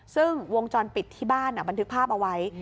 ซึ่งวงจรปิดที่บ้านบันทึกภาพเอาไว้